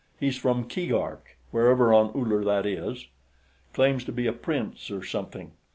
He's from Keegark, wherever on Uller that is; claims to be a prince, or something.